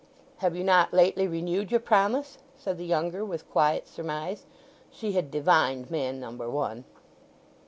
"Have you not lately renewed your promise?" said the younger with quiet surmise. She had divined Man Number One.